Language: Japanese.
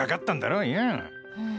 うん。